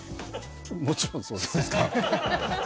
もちろんそうです。